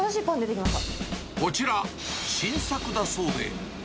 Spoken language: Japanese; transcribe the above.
こちら、新作だそうで。